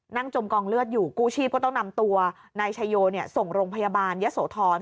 จมกองเลือดอยู่กู้ชีพก็ต้องนำตัวนายชายโยส่งโรงพยาบาลยะโสธร